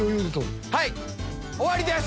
はい終わりです。